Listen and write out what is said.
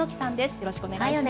よろしくお願いします。